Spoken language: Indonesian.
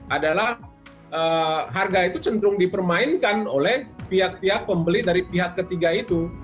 adalah harga itu cenderung dipermainkan oleh pihak pihak pembeli dari pihak ketiga itu